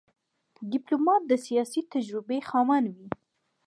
ډيپلومات د سیاسي تجربې خاوند وي.